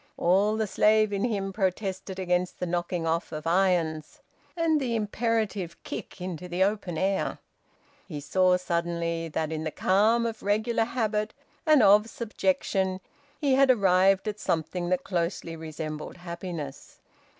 All the slave in him protested against the knocking off of irons, and the imperative kick into the open air. He saw suddenly that in the calm of regular habit and of subjection, he had arrived at something that closely resembled happiness.